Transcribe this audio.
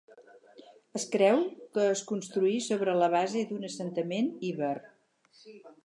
Es creu que es construí sobre la base d'un assentament Iber.